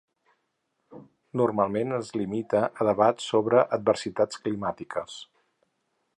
Normalment es limita a debats sobre adversitats climàtiques.